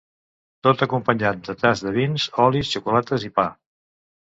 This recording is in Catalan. Tot acompanyat de tast de vins, olis, xocolates i pa.